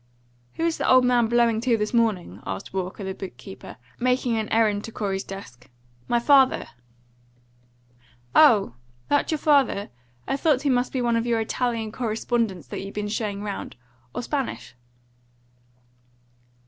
"Who is the old man blowing to this morning?" asked Walker, the book keeper, making an errand to Corey's desk. "My father." "Oh! That your father? I thought he must be one of your Italian correspondents that you'd been showing round, or Spanish."